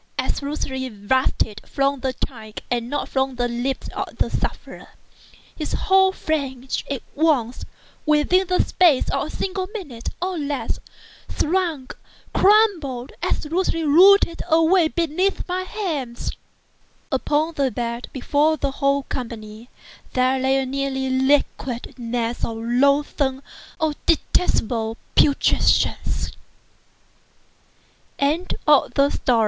absolutely bursting from the tongue and not from the lips of the sufferer, his whole frame at once—within the space of a single minute, or even less, shrunk—crumbled—absolutely rotted away beneath my hands. Upon the bed, before that whole company, there lay a nearly liquid mass of loathsome—of detestable putrescence. THE BLACK CAT.